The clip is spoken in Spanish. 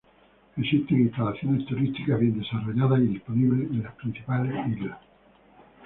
Existen instalaciones turísticas bien desarrolladas y disponibles en las principales islas.